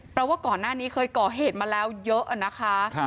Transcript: เพราะว่าก่อนหน้านี้เคยก่อเหตุมาแล้วเยอะนะคะ